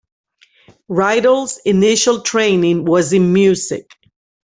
Rydell's initial training was in music.